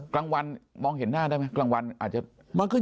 กลางวันมองเห็นหน้าได้มั้ย